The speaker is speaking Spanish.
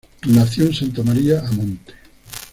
Nació en Santa Maria a Monte.